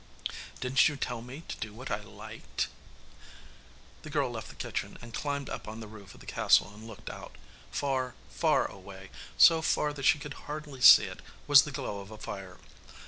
Didn't you tell me to do what I liked?' The girl left the kitchen and climbed up on the roof of the castle and looked out. Far, far away, so far that she could hardly see it, was the glow of a fire.